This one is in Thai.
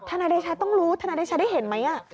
นายเดชาต้องรู้ทนายเดชาได้เห็นไหม